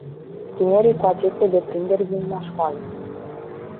Tinerii cu aceste deprinderi vin la școală.